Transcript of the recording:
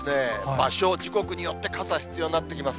場所、時刻によって、傘必要になってきます。